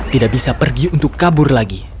tidak bisa pergi untuk kabur lagi